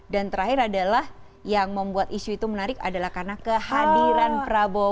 terakhir adalah yang membuat isu itu menarik adalah karena kehadiran prabowo